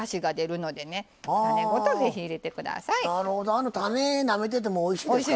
あの種なめててもおいしいですからね。